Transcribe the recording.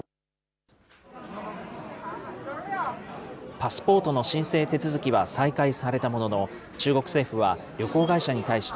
パスポートの申請手続きは再開されたものの、中国政府は、旅行会社に対して、